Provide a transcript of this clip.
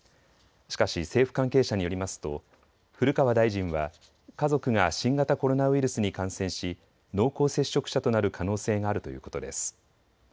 しかし政府関係者によりますと古川大臣は家族が新型コロナウイルスに感染し濃厚接触者となる可能性があるということです。